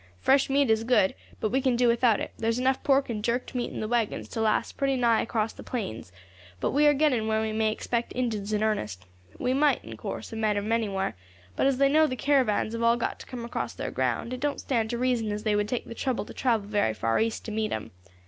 "Fresh meat is good, but we can do without it; there's enough pork and jerked meat in the waggons to last pretty nigh across the plains; but we are getting where we may expect Injins in earnest. We might, in course, have met 'em anywhere, but as they know the caravans have all got to come across their ground, it don't stand to reason as they would take the trouble to travel very far east to meet 'em.